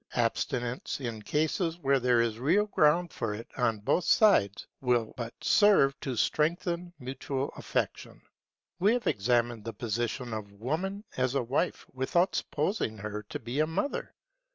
Abstinence, in cases where there is real ground for it on both sides, will but serve to strengthen mutual affection. [Woman's mission as a mother] We have examined the position of Woman as a wife, without supposing her to be a mother.